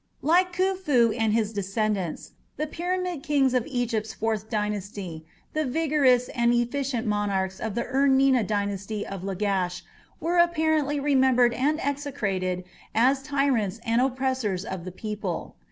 Like Khufu and his descendants, the Pyramid kings of Egypt's fourth dynasty, the vigorous and efficient monarchs of the Ur Nina dynasty of Lagash were apparently remembered and execrated as tyrants and oppressors of the people.